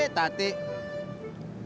mas sudah ada nela